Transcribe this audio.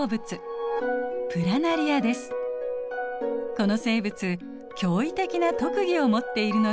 この生物驚異的な特技を持っているのです。